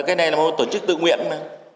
cái này là một tổ chức tự nguyện